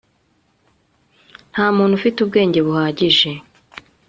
Nta muntu ufite ubwenge buhagije